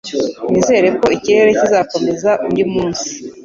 Nizere ko ikirere kizakomeza undi munsi